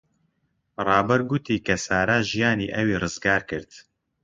ڕابەر گوتی کە سارا ژیانی ئەوی ڕزگار کرد.